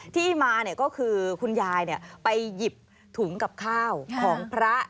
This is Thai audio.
ที่มาก็คือคุณยายไปหยิบถุงกับข้าวของพระ